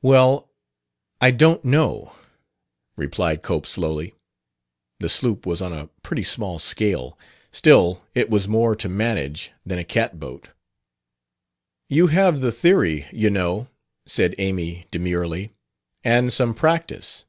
"Well, I don't know," replied Cope slowly. The sloop was on a pretty small scale; still, it was more to manage than a cat boat. "You have the theory, you know," said Amy demurely, "and some practice."